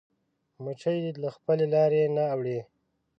مچمچۍ له خپلې لارې نه اوړي